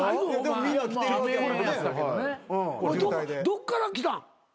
どっから来たん？